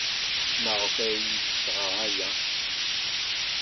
Maɣef ay iyi-d-tesɣa aya?